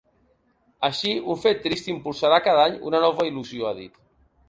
Així, un fet trist impulsarà cada any una nova il·lusió, ha dit.